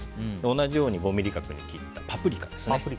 同じように５ｍｍ角に切ったパプリカです。